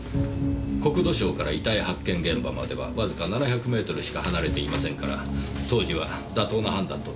国土省から遺体発見現場まではわずか７００メートルしか離れていませんから当時は妥当な判断とされました。